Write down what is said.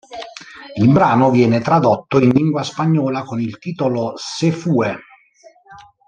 Il brano viene tradotto in lingua spagnola con il titolo "Se fue".